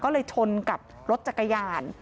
ก็เลยชนกับรถจักรยาน